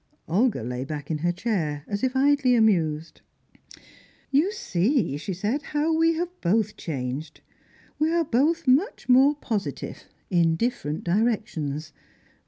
Olga lay back in her chair, as if idly amused. "You see," she said, "how we have both changed. We are both much more positive, in different directions.